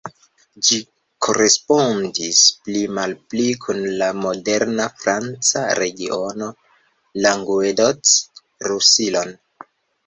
Ĝi korespondis pli malpli kun la moderna franca regiono Languedoc-Roussillon.